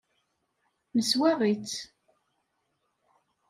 Neswaɣ-itt.